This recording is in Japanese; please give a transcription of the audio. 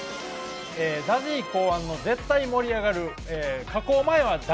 ＺＡＺＹ考案の絶対盛り上がる加工前は誰？